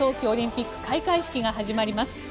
オリンピック開会式が始まります。